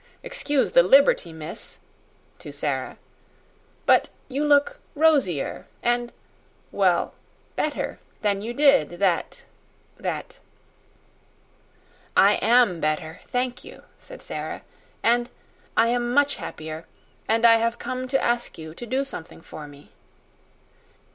Excuse the liberty, miss," to Sara "but you look rosier and well, better than you did that that " "I am better, thank you," said Sara. "And I am much happier and I have come to ask you to do something for me."